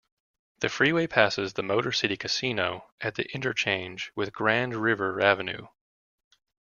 The freeway passes the MotorCity Casino at the interchange with Grand River Avenue.